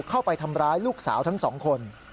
เข้าไปทำร้ายลูกสาวทั้งสองคน